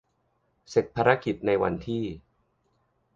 เสร็จภารกิจในวันที่